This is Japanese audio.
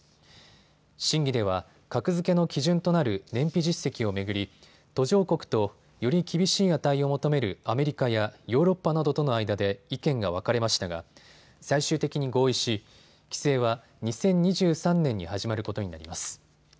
審議では格付けの基準となる燃費実績を巡り、途上国と、より厳しい値を求めるアメリカやヨーロッパなどとの間で意見が分かれましたが最終的に合意し、規制は２０２３年に始まることになります。